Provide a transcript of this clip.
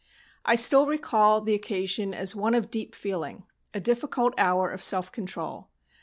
I still recall the occasion as one of deep feeling a difficult hour of self control.